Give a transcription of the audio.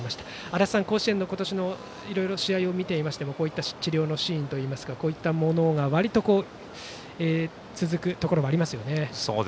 足達さん、甲子園の今年のいろいろ試合を見ていてもこうした治療のシーンといったものが割と続くところもありますよね。